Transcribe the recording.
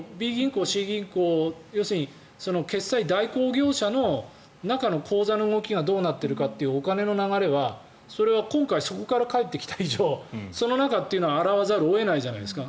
Ｂ銀行、Ｃ銀行決済代行業者の中の口座の動きがどうなっているかというお金の流れはそれは今回そこから返ってきた以上その中というのは洗わざるを得ないじゃないですか。